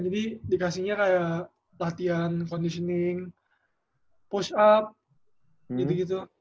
jadi dikasihnya kayak latihan conditioning push up gitu gitu